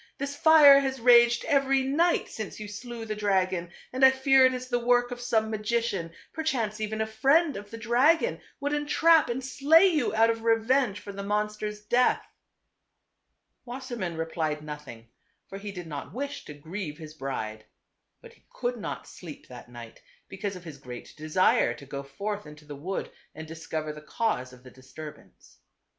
This fire has raged every night since you slew the dragon, and I fear it is the work of some magician •, perchance even a friend of the dragon would entrap and slay you out of revenge for the monster's death." : .7 J r\\ TWO BROTHERS. 303 Wassermann replied nothing, for he did not wish to grieve his bride. But he could not sleep that night, because of his great desire to go forth into the wood and discover the cause of the disturbance.